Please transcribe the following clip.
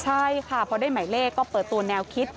ใช่ค่ะพอได้หมายเลขก็เปิดตัวแนวคิด